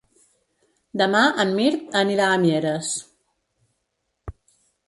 Demà en Mirt irà a Mieres.